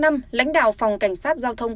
lãnh đạo phòng cảnh sát giao thông